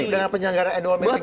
dengan penyanggaran annual meeting